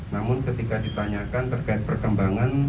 namun ketika ditanyakan terkait perkembangan